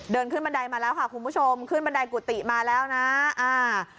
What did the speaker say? เดินขึ้นบันไดมาแล้วค่ะคุณผู้ชมขึ้นบันไดกุฏิมาแล้วนะอ่า